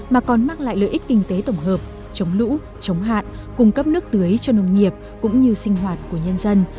mà còn mang lại lợi ích kinh tế tổng hợp chống lũ chống hạn cung cấp nước tưới cho nông nghiệp cũng như sinh hoạt của nhân dân